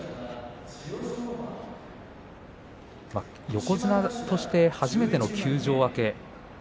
横綱として初めての休場明け。